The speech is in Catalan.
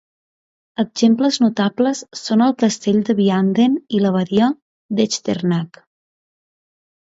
Exemples notables són el Castell de Vianden i l'Abadia d'Echternach.